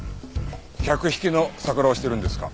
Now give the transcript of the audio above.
客引きのサクラをしてるんですか？